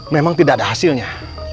memang tidak ada hasilnya